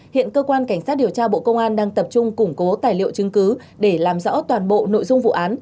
hiện cơ quan cảnh sát điều tra bộ công an đang tập trung củng cố tài liệu chứng cứ để làm rõ toàn bộ nội dung vụ án